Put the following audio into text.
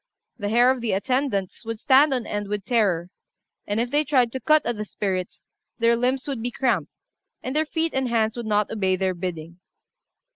The hair of the attendants would stand on end with terror; and if they tried to cut at the spirits, their limbs would be cramped, and their feet and hands would not obey their bidding.